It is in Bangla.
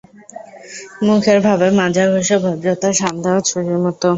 মুখের ভাবে মাজাঘষা ভদ্রতা, শান-দেওয়া ছুরির মতো।